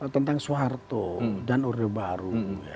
tentang soeharto dan orde baru